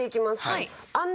はい。